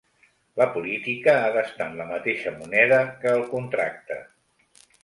La política ha d'estar en la mateixa moneda que el contracte.